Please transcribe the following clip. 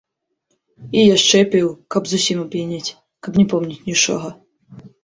І яшчэ піў, каб зусім ап'янець, каб не помніць нічога.